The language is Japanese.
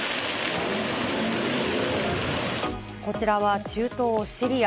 こちらは中東シリア。